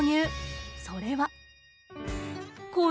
それは。